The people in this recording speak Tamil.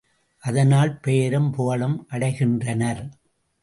அதனால் பெயரும் புகழும் அடைகின்றனர்.